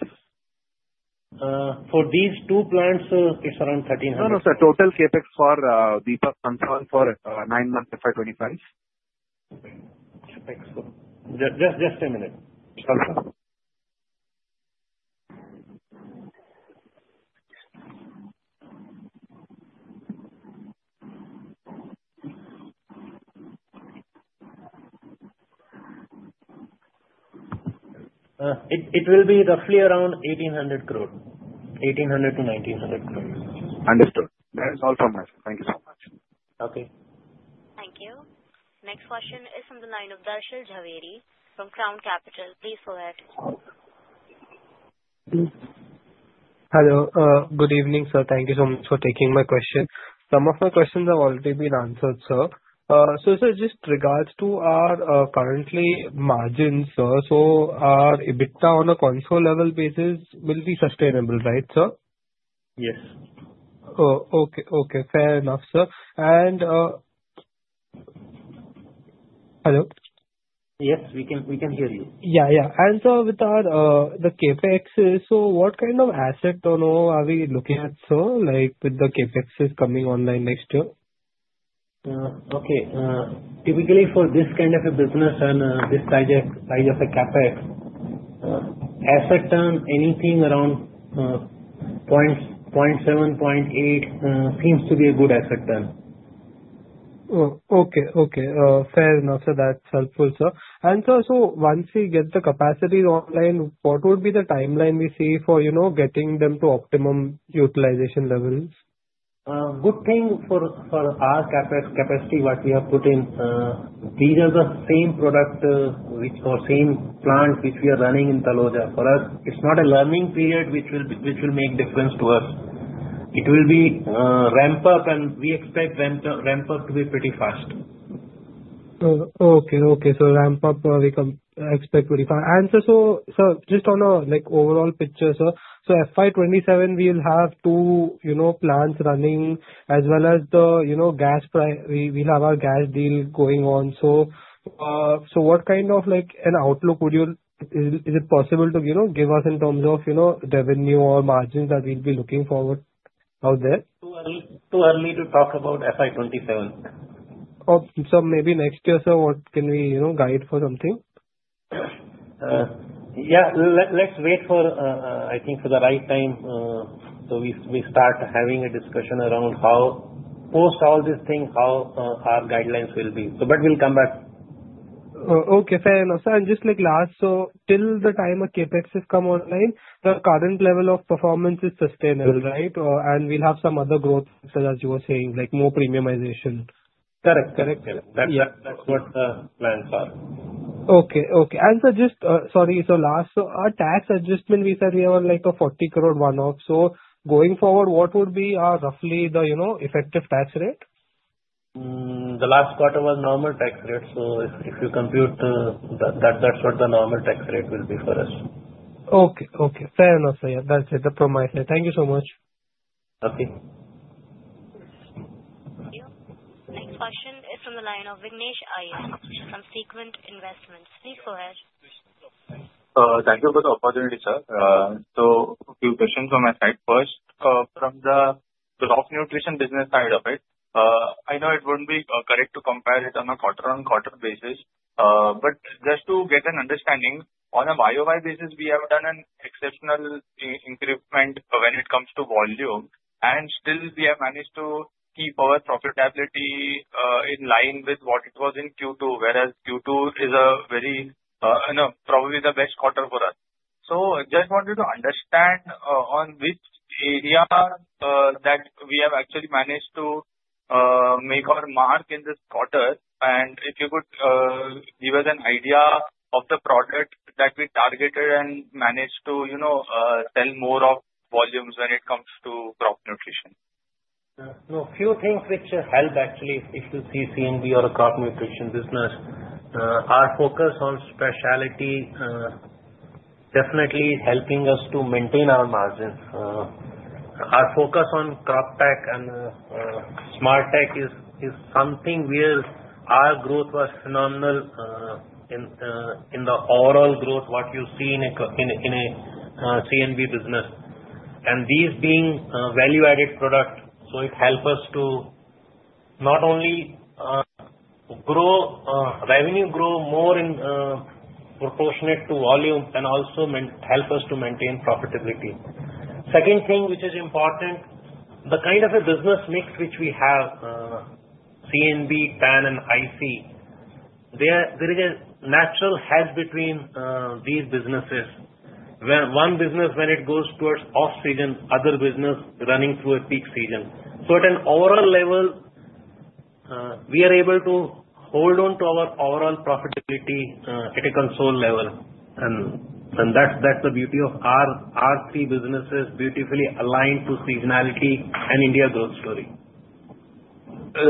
For these two plants, it's around $1,300.
No, no, sir. Total CAPEX for Deepak Fertilisers for nine months FY25?
Just a minute.
Sure, sir.
It will be roughly around 1,800 crore. 1,800-1,900 crore.
Understood. That is all from my side. Thank you so much.
Okay.
Thank you. Next question is from the line of Darshil Jhaveri from Crown Capital. Please go ahead.
Hello. Good evening, sir. Thank you so much for taking my question. Some of my questions have already been answered, sir. So sir, just regards to our current margins, sir, so our EBITDA on a consolidated level basis will be sustainable, right, sir?
Yes.
Oh, okay. Fair enough, sir. And hello?
Yes, we can hear you.
Yeah, yeah. And sir, with the CAPEX, so what kind of asset turnover are we looking at, sir, with the CAPEX coming online next year?
Okay. Typically, for this kind of a business and this size of a CAPEX, asset turn, anything around 0.7, 0.8 seems to be a good asset turn.
Oh, okay. Okay. Fair enough, sir. That's helpful, sir. And sir, so once we get the capacity online, what would be the timeline we see for getting them to optimum utilization levels?
Good thing for our CAPEX capacity what we have put in. These are the same product or same plant which we are running in Taloja. For us, it's not a learning period which will make difference to us. It will be ramp up, and we expect ramp up to be pretty fast.
Okay. Okay. So, ramp up, we expect pretty fast. And sir, so just on an overall picture, sir, so FY27, we will have two plants running as well as the gas price. We have our gas deal going on. So, what kind of an outlook would you is it possible to give us in terms of revenue or margins that we'll be looking forward out there?
Too early to talk about FY27.
Oh, so maybe next year, sir, what can we guide for something?
Yeah. Let's wait for, I think, for the right time so we start having a discussion around how post all this thing, how our guidelines will be. But we'll come back.
Okay. Fair enough, sir. And just last, so till the time of CAPEX has come online, the current level of performance is sustainable, right? And we'll have some other growth, as you were saying, like more premiumization.
Correct. Correct. Correct. That's what the plans are.
Okay. And sir, just sorry, so last, so our tax adjustment, we said we have a 40 crore one-off. So going forward, what would be roughly the effective tax rate?
The last quarter was normal tax rate. So if you compute, that's what the normal tax rate will be for us.
Okay. Okay. Fair enough, sir. That's it. The promise. Thank you so much.
Okay.
Next question is from the line of Vignesh Iyer from Sequent Investments. Please go ahead.
Thank you for the opportunity, sir. So a few questions on my side. First, from the specialty nutrition business side of it, I know it wouldn't be correct to compare it on a quarter-on-quarter basis. But just to get an understanding, on a YOY basis, we have done an exceptional increment when it comes to volume. And still, we have managed to keep our profitability in line with what it was in Q2, whereas Q2 is a very, probably the best quarter for us. So I just wanted to understand on which area that we have actually managed to make our mark in this quarter. And if you could give us an idea of the product that we targeted and managed to sell more of volumes when it comes to crop nutrition.
A few things which help, actually, if you see CNB or a crop nutrition business. Our focus on specialty definitely is helping us to maintain our margins. Our focus on Croptek and Smartek is something where our growth was phenomenal in the overall growth, what you see in a CNB business. And these being value-added products, so it helps us to not only grow revenue more in proportionate to volume and also help us to maintain profitability. Second thing which is important, the kind of a business mix which we have, CNB, TAN, and IC, there is a natural hedge between these businesses. One business, when it goes towards off-season, other business running through a peak season. So at an overall level, we are able to hold on to our overall profitability at a consolidated level. That's the beauty of our three businesses beautifully aligned to seasonality and India growth story.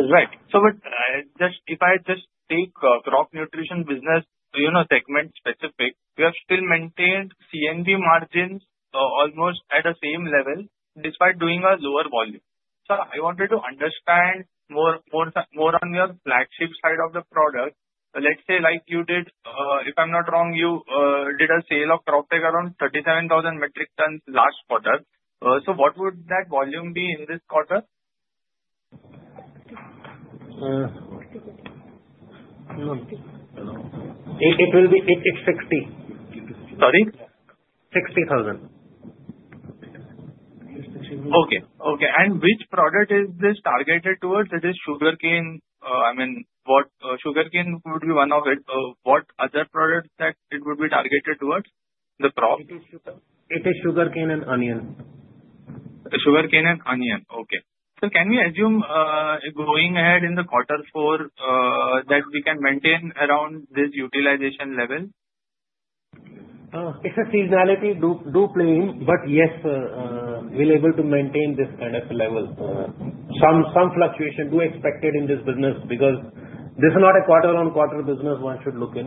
Right. So if I just take crop nutrition business segment specific, we have still maintained CNB margins almost at the same level despite doing a lower volume. So I wanted to understand more on your flagship side of the product. Let's say, like you did, if I'm not wrong, you did a sale of crop tech around 37,000 metric tons last quarter. So what would that volume be in this quarter?
It will be 60.
Sorry?
60,000.
Okay. Okay. And which product is this targeted towards? It is sugarcane. I mean, sugarcane would be one of it. What other product that it would be targeted towards? The crop?
It is sugarcane and onion.
Sugar cane and onion. Okay. So can we assume going ahead in the quarter four that we can maintain around this utilization level?
It's a seasonality to play, but yes, we're able to maintain this kind of level. Some fluctuation too expected in this business because this is not a quarter-on-quarter business one should look in.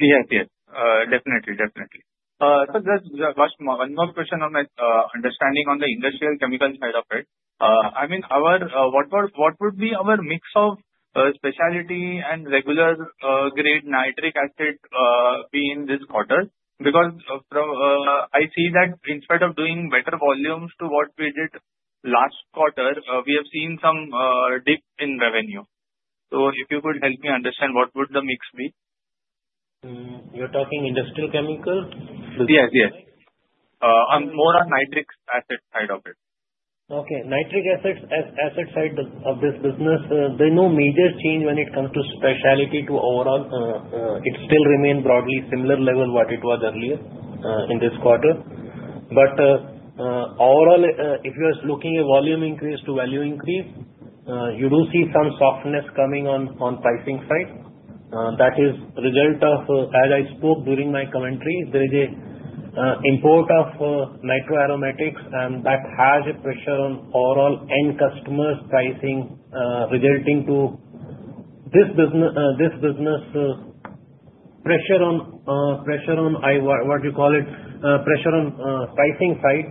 Yes. Yes. Definitely. Definitely. So just one more question on my understanding on the industrial chemical side of it. I mean, what would be our mix of specialty and regular-grade nitric acid be in this quarter? Because I see that instead of doing better volumes to what we did last quarter, we have seen some dip in revenue. So if you could help me understand, what would the mix be?
You're talking industrial chemical?
Yes. Yes. More on nitric acid side of it.
Okay. Nitric acid side of this business, there is no major change when it comes to specialty to overall. It still remains broadly similar level what it was earlier in this quarter. But overall, if you're looking at volume increase to value increase, you do see some softness coming on pricing side. That is the result of, as I spoke during my commentary, there is an import of nitroaromatics, and that has a pressure on overall end customers' pricing, resulting to this business pressure on what you call it, pressure on pricing side.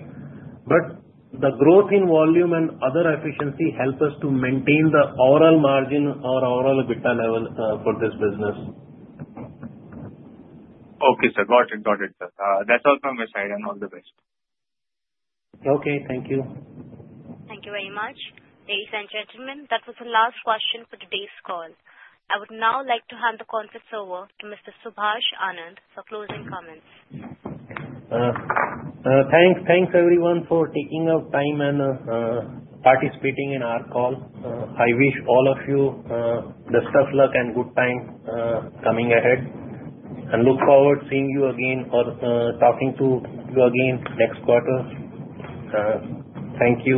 But the growth in volume and other efficiency help us to maintain the overall margin or overall EBITDA level for this business.
Okay, sir. Got it. Got it, sir. That's all from my side and all the best.
Okay. Thank you.
Thank you very much. Ladies and gentlemen, that was the last question for today's call. I would now like to hand the conference over to Mr. Subhash Anand for closing comments.
Thanks. Thanks, everyone, for taking your time and participating in our call. I wish all of you the best of luck and good times coming ahead. I look forward to seeing you again or talking to you again next quarter. Thank you.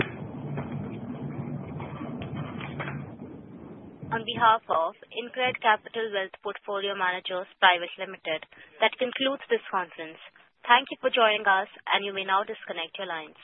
On behalf of InCred Capital Wealth Portfolio Managers, Private Limited, that concludes this conference. Thank you for joining us, and you may now disconnect your lines.